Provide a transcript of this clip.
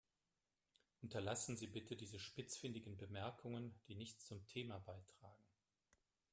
Unterlassen Sie bitte diese spitzfindigen Bemerkungen, die nichts zum Thema beitragen.